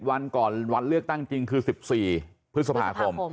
วันก่อนวันเลือกตั้งจริงคือ๑๔พฤษภาคม